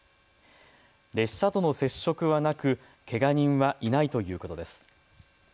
列車との接触はなくけが人はいないということです。